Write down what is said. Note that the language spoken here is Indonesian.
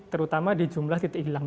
terutama di jumlah titik hilang